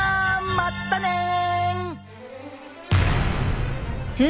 まったねん！